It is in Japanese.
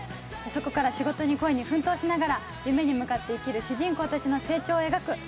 そこから仕事に恋に奮闘しながら夢に向かって生きる主人公たち。